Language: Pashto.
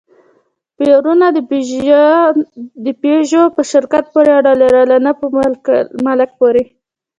پورونو د پيژو په شرکت پورې اړه لرله، نه په مالک پورې.